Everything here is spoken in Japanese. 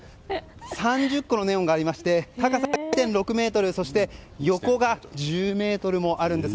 ３０個のネオンがありまして高さ１．６ｍ横が１０ｍもあるんです。